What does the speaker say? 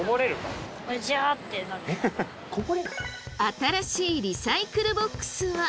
新しいリサイクルボックスは。